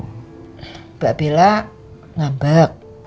mbak bella ngabek